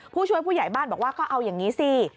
ผู้ช่วยผู้ใหญ่บ้านบอกว่าก็เอาอย่างนี้สิ